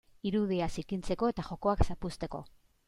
Irudia zikintzeko eta jokoak zapuzteko.